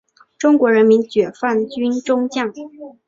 中国人民解放军中将。